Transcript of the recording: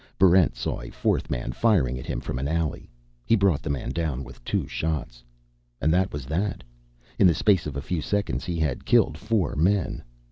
Barrent saw a fourth man firing at him from an alley. He brought the man down with two shots. And that was that. In the space of a few seconds, he had killed four men.